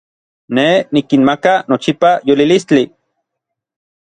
Nej nikinmaka nochipa yolilistli.